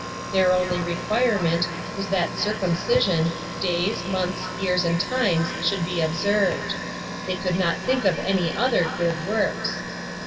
Their only requirement was that circumcision, days, months, years, and times should be observed. They could not think of any other good works.